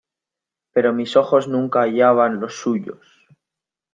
pero mis ojos nunca hallaban los suyos.